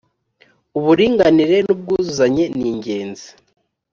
Uburinganire n’ubwuzuzanye ni ingenzi